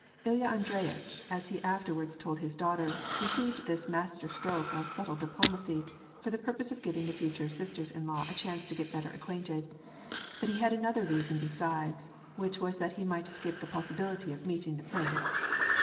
Ilya Andreyitch, as he afterwards told his daughter, con ceived this master stroke of subtile diplomacy for the purpose of giving the future sisters in law a chance to get better ac quainted ; but he had another reason beside, which was that he might escape the possibility of meeting the prince.